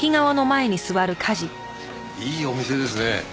いいお店ですね。